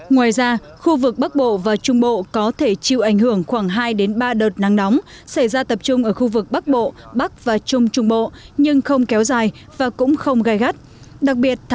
ngoài ra khu vực bắc bộ và trung bộ có thể chịu ảnh hưởng khoảng hai ba đợt nắng nóng xảy ra tập trung ở khu vực bắc bộ bắc và trung trung bộ nhưng không kéo dài và cũng không gai gắt